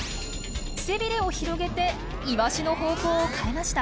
背ビレを広げてイワシの方向を変えました。